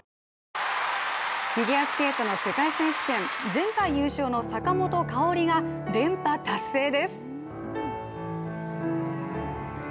フィギュアスケートの世界選手権、前回優勝の坂本花織が連覇達成です。